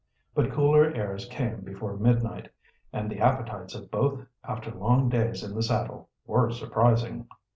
But cooler airs came before midnight, and the appetites of both after long days in the saddle were surprising.